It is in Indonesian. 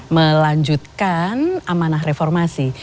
melanjutkan amanah reformasi